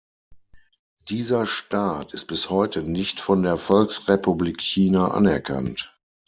Dieser Staat ist bis heute nicht von der Volksrepublik China anerkannt.